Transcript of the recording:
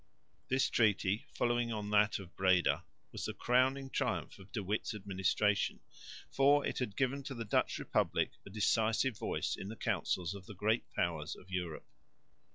This treaty, following on that of Breda, was the crowning triumph of De Witt's administration, for it had given to the Dutch Republic a decisive voice in the Councils of the Great Powers of Europe.